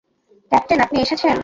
Captain, আপনি এসেছেন।